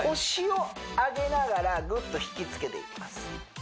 腰を上げながらぐっと引きつけていきます